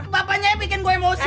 bapaknya ya bikin gue emosi